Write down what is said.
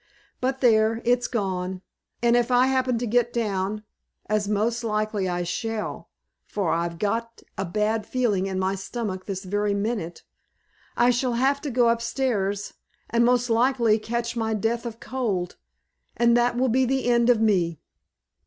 But there, it's gone, and if I happen to get down, as most likely I shall, for I've got a bad feeling in my stummick this very minute, I shall have to go up stairs, and most likely catch my death of cold, and that will be the end of me."